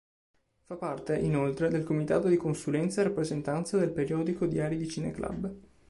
Fa parte, inoltre, del Comitato di consulenza e rappresentanza del periodico Diari di Cineclub.